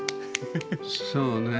そうね。